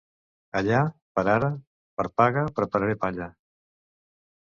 Allà, per ara, per paga prepararé palla.